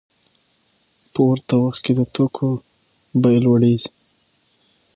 په ورته وخت کې د توکو بیه لوړېږي